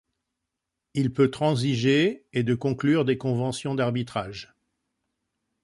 Il peut transiger et de conclure des conventions d'arbitrage.